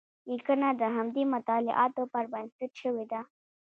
لیکنه د همدې مطالعاتو پر بنسټ شوې ده.